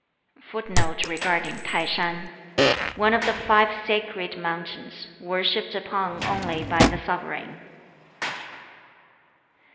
] [Footnote 7: One of the five sacred mountains, worshipped upon only by the sovereign.